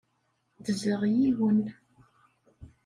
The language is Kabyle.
Ddzeɣ yiwen.